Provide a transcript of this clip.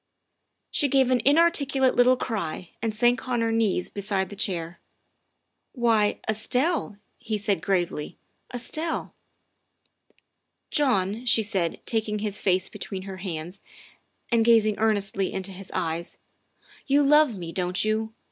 '' She gave an inarticulate little cry and sank on her knees beside the chair. " Why, Estelle," he said gravely, " Estelle." " John," she said, taking his face between her hands and gazing earnestly into his eyes, " you love me, don't you?